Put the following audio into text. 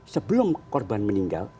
sebelum korban meninggal